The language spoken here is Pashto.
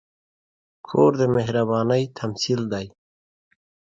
کور د مهربانۍ تمثیل دی.